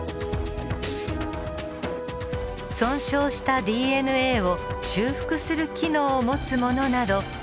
損傷したＤＮＡを修復する機能を持つものなど